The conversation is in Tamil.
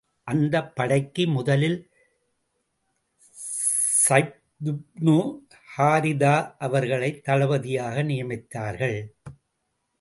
அந்தப் படைக்கு முதலில் ஸைதுப்னு ஹாரிதா அவர்களைத் தளபதியாக நியமித்தார்கள்.